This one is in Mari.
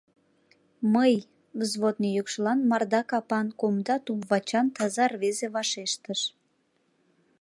— Мый! — взводный йӱкшылан марда капан, кумда туп-вачан таза рвезе вашештыш.